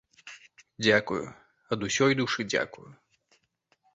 Дзякую, ад усёй душы дзякую!